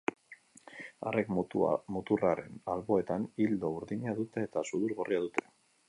Arrek muturraren alboetan, ildo urdina dute eta sudur gorria dute.